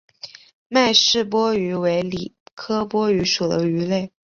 麦氏波鱼为鲤科波鱼属的鱼类。